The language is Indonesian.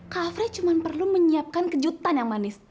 kak fre cuma perlu menyiapkan kejutan yang manis